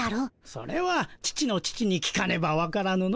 それは父の父に聞かねばわからぬの。